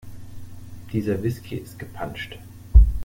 Dieser Whisky ist gepanscht.